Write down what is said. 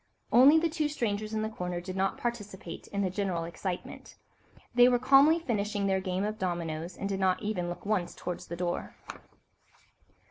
Only the two strangers in the corner did not participate in the general excitement. They were calmly finishing their game of dominoes, and did not even look once towards the door.